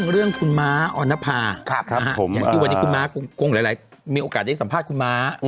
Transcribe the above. เรื่องคุณม้าออนภาอย่างที่วันนี้คุณม้ากงหลายมีโอกาสได้สัมภาษณ์คุณม้า